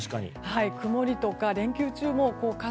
曇りとか、連休中も傘。